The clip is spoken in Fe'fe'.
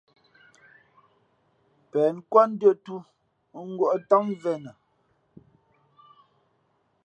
Pěn kwát ndʉ̄ᾱ ntū ngwᾱʼ ntám mvēnα.